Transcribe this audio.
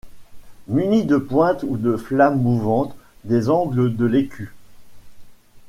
Muni de pointes ou de flammes mouvantes des angles de l'écu.